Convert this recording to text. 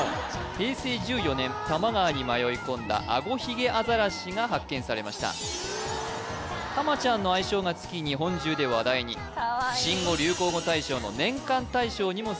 平成１４年多摩川に迷い込んだアゴヒゲアザラシが発見されましたタマちゃんの愛称がつき日本中で話題ににも選出されました